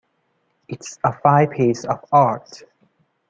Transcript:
It's a fine piece of art.